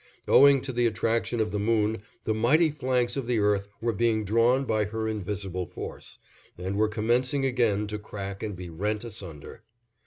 Owing to the attraction of the moon, the mighty flanks of the earth were being drawn by her invisible force, and were commencing again to crack and be rent asunder.